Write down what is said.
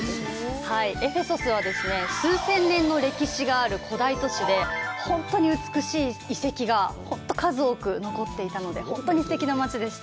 エフェソスはですね、数千年の歴史がある古代都市で、本当に美しい遺跡が数多く残っていたので、本当にすてきな街でした。